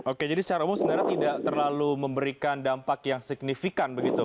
oke jadi secara umum sebenarnya tidak terlalu memberikan dampak yang signifikan begitu